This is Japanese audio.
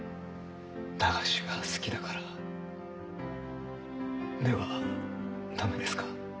駄菓子が好きだからでは駄目ですか？